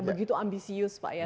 begitu ambisius pak ya